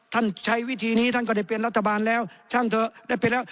ใช้วิธีนี้ท่านก็ได้เป็นรัฐบาลแล้วช่างเถอะได้เป็นแล้ว